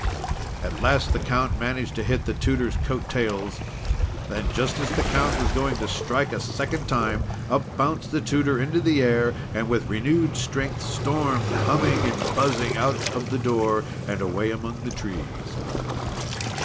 At last the Count managed to hit the Tutor's coat tails. Then just as the Count was going to strike a second time, up bounced the Tutor into the air, and, with renewed strength, stormed, humming and buzzing, out of the door, and away among the trees.